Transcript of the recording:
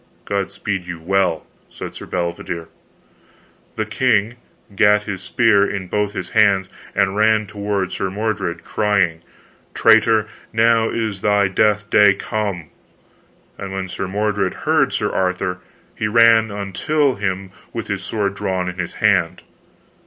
God speed you well, said Sir Bedivere. Then the king gat his spear in both his hands, and ran toward Sir Mordred crying, Traitor, now is thy death day come. And when Sir Mordred heard Sir Arthur, he ran until him with his sword drawn in his hand.